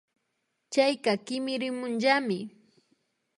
Chayka kimirimunllami